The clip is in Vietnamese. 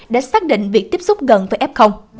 để xác định việc tiếp xúc gần với f